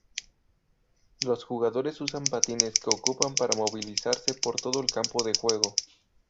Los jugadores usan patines que ocupan para movilizarse por todo el campo de juego.